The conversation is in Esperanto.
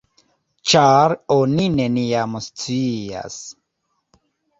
Ĉar oni neniam scias!